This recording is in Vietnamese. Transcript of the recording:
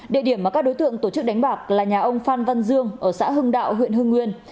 địa điểm mà các đối tượng tổ chức đánh bạc là nhà ông phan văn dương ở xã hưng đạo huyện hưng nguyên